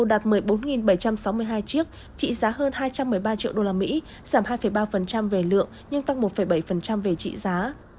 đạt một mươi bốn bảy trăm sáu mươi hai chiếc trị giá hơn hai trăm một mươi ba triệu usd giảm hai ba về lượng nhưng tăng một bảy về trị giá